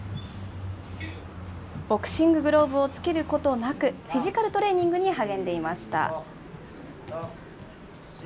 ボクシンググローブをつけることなく、フィジカルトレーニングに励んでいました。